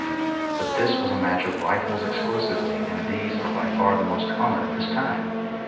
But this was a match of rifles exclusively; and these are by far the most common at this time.